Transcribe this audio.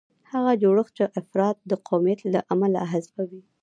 هغه جوړښت چې افراد د قومیت له امله حذفوي.